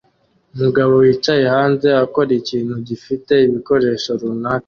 Umugabo wicaye hanze akora ikintu gifite ibikoresho runaka